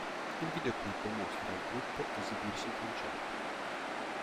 Il videoclip mostra il gruppo esibirsi in concerto.